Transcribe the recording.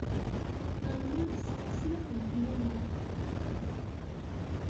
Lalman tesɛa snat n tmunaɣ.